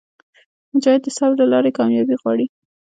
مجاهد د صبر له لارې کاميابي غواړي.